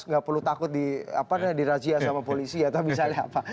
nggak perlu takut dirajia sama polisi atau misalnya apa